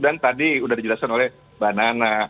dan tadi udah dijelaskan oleh b nana